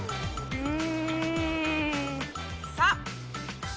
うん。